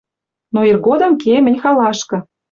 Но иргодым кеем мӹнь халашкы